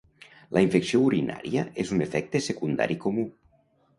La infecció urinària és un efecte secundari comú.